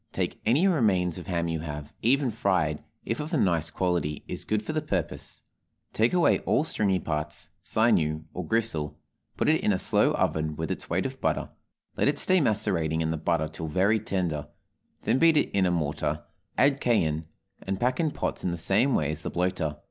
Take any remains of ham you have, even fried, if of a nice quality, is good for the purpose; take away all stringy parts, sinew, or gristle, put it in a slow oven with its weight of butter, let it stay macerating in the butter till very tender, then beat it in a mortar, add cayenne, and pack in pots in the same way as the bloater.